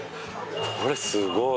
これすごい！